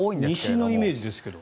西のイメージですけど。